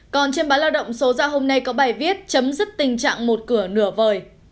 còn trên báo lao động số ra hôm nay có bài viết chấm dứt tình trạng một cửa nửa vời